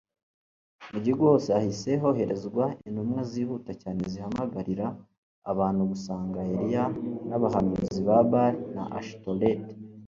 Mu gihugu hose hahise hoherezwa intumwa zihuta cyane zihamagarira abantu gusanga Eliya nabahanuzi ba Bali na Ashitoreti